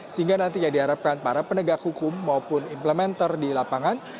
sehingga nantinya diharapkan para penegak hukum maupun implementer di lapangan